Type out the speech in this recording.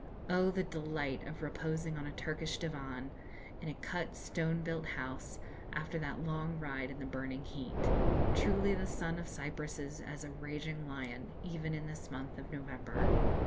Oh! the delight of reposing on a Turkish divan, in a cut stone built house, after that long ride in the burning heat! Truly, the sun of Cyprus is as a raging lion, even in this month of November.